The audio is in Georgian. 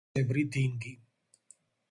აქვთ მილისებრი დინგი.